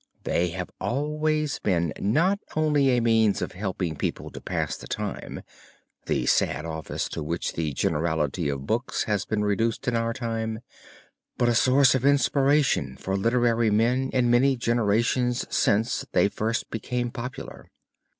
They have always been not only a means of helping people to pass the time, the sad office to which the generality of books has been reduced in our time, but a source of inspiration for literary men in many generations since they first became popular.